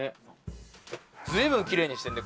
随分きれいにしてるね。